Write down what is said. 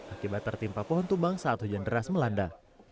akibat tertimpa pohon tumbang saat hujan deras melanda